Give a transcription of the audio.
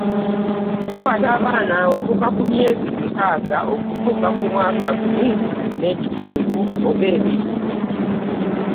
Bukwata abaana okuva ku myezi mukaaga okutuuka ku mwaka gumu n’ekitundu oba ebiri.